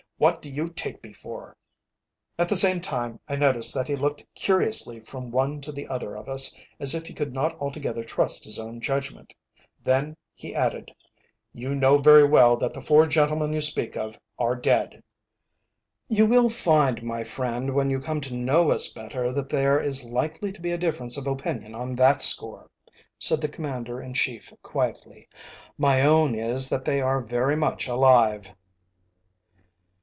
What do you take me for?" At the same time I noticed that he looked curiously from one to the other of us as if he could not altogether trust his own judgment. Then he added: "You know very well that the four gentlemen you speak of are dead." "You will find, my friend, when you come to know us better, that there is likely to be a difference of opinion on that score," said the Commander in Chief quietly. "My own is that they are very much alive."